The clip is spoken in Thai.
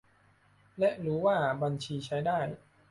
และรู้ว่าบัญชีใช้ได้